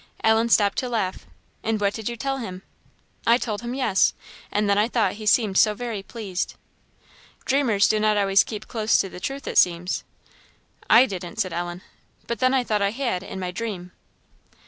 Ellen stopped to laugh. "And what did you tell him?" "I told him yes. And then I thought he seemed so very pleased." "Dreamers do not always keep close to the truth, it seems." "I didn't," said Ellen. "But then I thought I had, in my dream."